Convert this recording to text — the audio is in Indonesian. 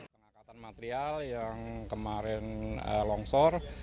pengangkatan material yang kemarin longsor